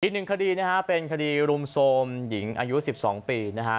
อีกหนึ่งคดีนะฮะเป็นคดีรุมโทรมหญิงอายุ๑๒ปีนะฮะ